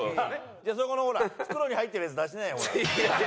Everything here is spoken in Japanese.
じゃあそこのほら袋に入ってるやつ出しなよほら。